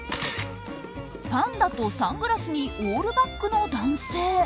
パンダとサングラスにオールバックの男性。